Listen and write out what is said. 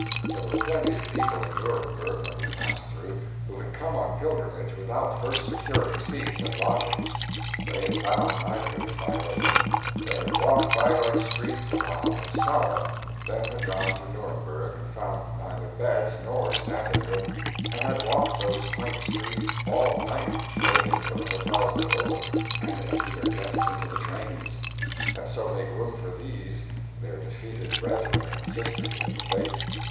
There were plenty of people in Nuremberg when we passed through who had come on pilgrimage without first securing seats and lodgings. They had found neither in Bayreuth; they had walked Bayreuth streets a while in sorrow, then had gone to Nuremberg and found neither beds nor standing room, and had walked those quaint streets all night, waiting for the hotels to open and empty their guests into the trains, and so make room for these, their defeated brethren and sisters in the faith.